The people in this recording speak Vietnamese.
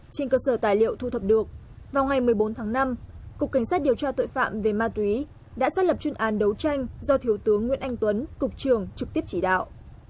trên cơ sở tài liệu thu thập được vào ngày một mươi bốn tháng năm cục cảnh sát điều tra tội phạm về ma túy đã xác lập chuyên án đấu tranh do thiếu tướng nguyễn anh tuấn cục trưởng trực tiếp chỉ đạo